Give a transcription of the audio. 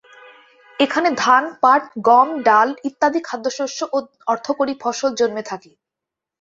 এখানে ধান, পাট, গম, ডাল ইত্যাদি খাদ্যশস্য ও অর্থকরী ফসল জন্মে থাকে।